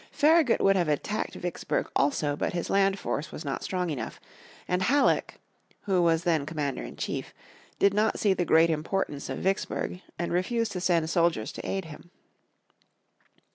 Faragut would have attacked Vicksburg also but his land force was not strong enough, and Halleck, who was then commander in chief, did not see the great importance of Vicksburg, and refused to send soldiers to aid him.